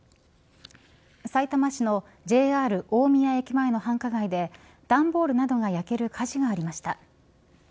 さいたま市のＪＲ大宮駅前の繁華街で段ボールなどが焼ける火事がありました。